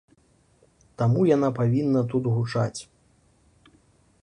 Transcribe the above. Таму яна павінна тут гучаць.